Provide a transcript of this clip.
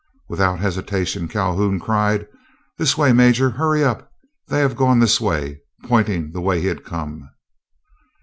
Without hesitation, Calhoun cried, "This way, Major. Hurry up, they have gone this way," pointing the way he had come.